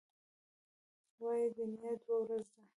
وايي دنیا دوه ورځې ده.